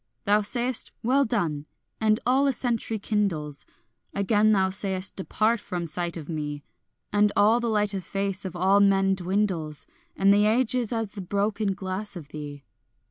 Thou sayest "Well done," and all a century kindles; Again thou sayest "Depart from sight of me," And all the light of face of all men dwindles, And the age is as the broken glass of thee.